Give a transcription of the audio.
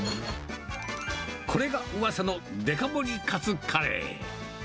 これがうわさのデカ盛りカツカレー。